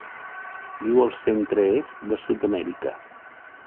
Viu al centre-est de Sud-amèrica.